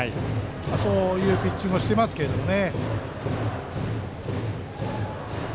そういうピッチングをしていますけどもね。